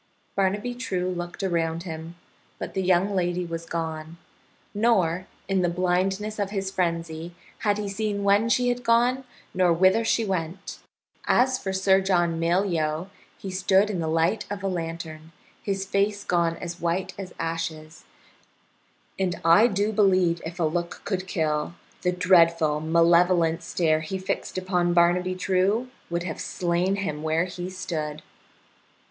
Barnaby True looked around him, but the young lady was gone. Nor, in the blindness of his frenzy, had he seen when she had gone nor whither she went. As for Sir John Malyoe, he stood in the light of a lantern, his face gone as white as ashes, and I do believe if a look could kill, the dreadful malevolent stare he fixed upon Barnaby True would have slain him where he stood.